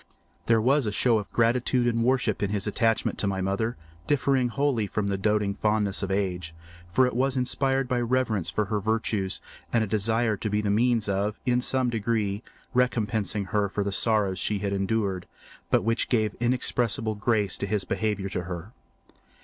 There was a show of gratitude and worship in his attachment to my mother, differing wholly from the doting fondness of age, for it was inspired by reverence for her virtues and a desire to be the means of, in some degree, recompensing her for the sorrows she had endured, but which gave inexpressible grace to his behaviour to her.